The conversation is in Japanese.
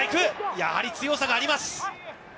やはり強さがあります。